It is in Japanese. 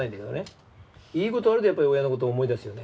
いい事あるとやっぱり親の事を思い出すよね。